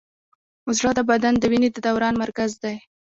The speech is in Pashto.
زړه د بدن د وینې د دوران مرکز دی.